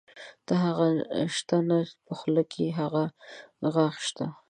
نۀ هغه شته نۀ پۀ خولۀ کښې هغه غاخ شته